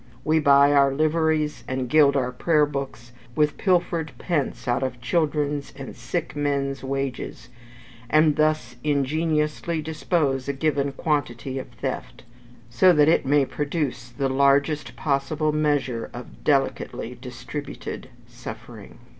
We buy our liveries, and gild our prayer books, with pilfered pence out of children's and sick men's wages, and thus ingeniously dispose a given quantity of Theft, so that it may produce the largest possible measure of delicately distributed suffering.